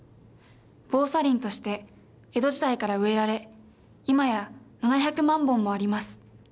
防砂林として江戸時代から植えられ今や７００万本もあります。